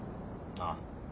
ああ。